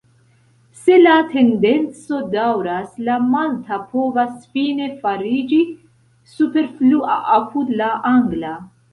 Se la tendenco daŭras, la malta povas fine fariĝi superflua apud la angla.